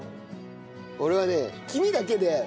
俺はね黄身だけで。